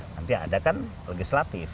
nanti ada kan legislatif